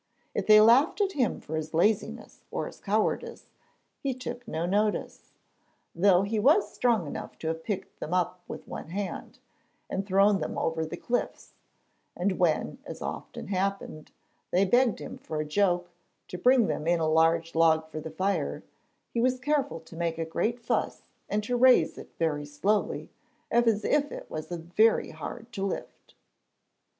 If they laughed at him for his laziness or his cowardice, he took no notice, though he was strong enough to have picked them up with one hand, and thrown them over the cliffs; and when, as often happened, they begged him, for a joke, to bring them in a large log for their fire, he was careful to make a great fuss and to raise it very slowly, as if it was very hard to lift.